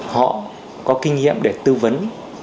họ có kinh nghiệm để tư vấn